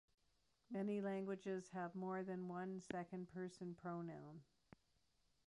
Many languages have more than one second-person pronoun.